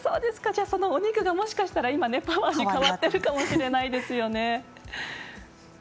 そのお肉が、もしかしたら今、パワーに変わってるかもしれないですよね。